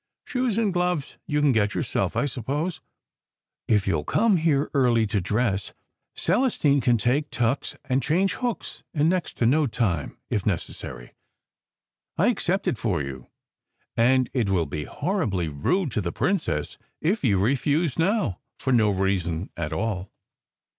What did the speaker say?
Shoes and gloves you can get yourself, I suppose? If you ll come here early to dress, Celestine can take tucks and change hooks in next to no time, if necessary. I accepted for you; and it will be horribly rude to the Princess if you refuse now, for no reason at all."